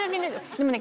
でもね